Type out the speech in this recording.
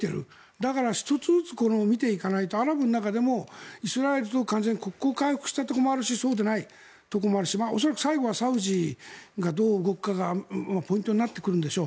だから１つずつ見ていかないとアラブの中でもイスラエルと完全に国交を回復したところもあるしそうでないところもあるし恐らく最後はサウジがどう動くかがポイントになってくるんでしょう。